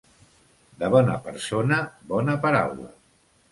De bona persona, bona paraula.